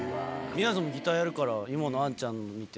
みやぞんもギターやるから今の杏ちゃんの見て。